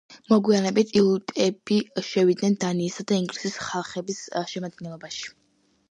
მოგვიანებით იუტები შევიდნენ დანიისა და ინგლისის ხალხების შემადგენლობაში.